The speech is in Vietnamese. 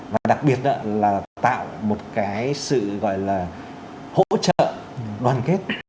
và đặc biệt là tạo một cái sự gọi là hỗ trợ đoàn kết